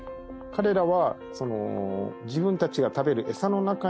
彼らは。